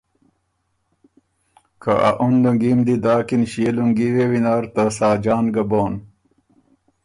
که ا اُن لونګي م دی داکِن ݭيې لُونګي وی وینر ته ساجان ګه بون